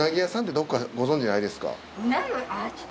どこかご存じないですか？